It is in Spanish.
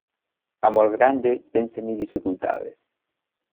Amor grande, vence mil dificultades.